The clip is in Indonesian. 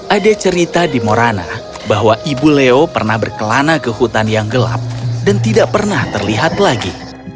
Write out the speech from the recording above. ada cerita di morana bahwa ibu leo pernah berkelana ke hutan yang gelap dan tidak pernah terlihat lagi